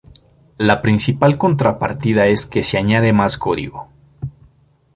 La principal contrapartida es que se añade más código.